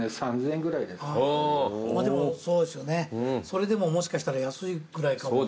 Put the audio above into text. それでももしかしたら安いぐらいかも。